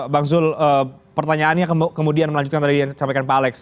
bang zul pertanyaannya kemudian melanjutkan tadi yang disampaikan pak alex